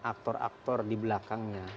aktor aktor di belakangnya